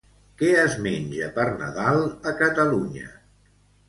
Què es menja per Nadal a Catalunya?